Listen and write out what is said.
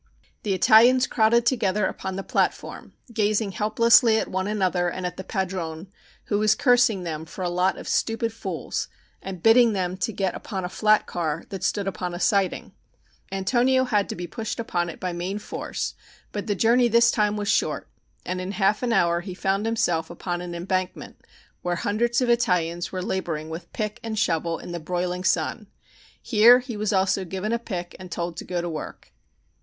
The Italians crowded together upon the platform, gazing helplessly at one another and at the padrone, who was cursing them for a lot of stupid fools, and bidding them get upon a flat car that stood upon a siding. Antonio had to be pushed upon it by main force, but the journey this time was short, and in half an hour he found himself upon an embankment where hundreds of Italians were laboring with pick and shovel in the broiling sun. Here he also was given a pick and told to go to work.